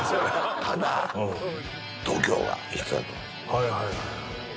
はいはいはいはい。